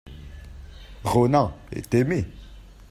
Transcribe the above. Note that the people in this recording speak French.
Ronan est aimé.